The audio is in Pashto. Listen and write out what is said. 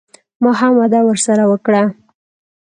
ما هم وعده ورسره وکړه.